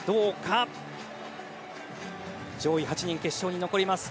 上位８人、決勝に残ります。